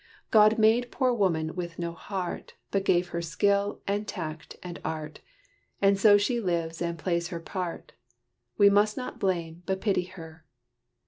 God made poor woman with no heart, But gave her skill, and tact, and art, And so she lives, and plays her part. We must not blame, but pity her.